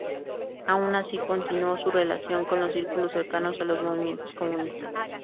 Aun así, continuó su relación con los círculos cercanos a los movimientos comunistas.